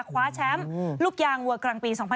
คว้าแชมป์ลูกยางวัวกลางปี๒๐๑๖